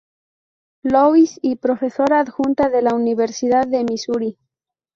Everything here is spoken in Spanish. Louis; y profesora adjunta de la Universidad de Misuri.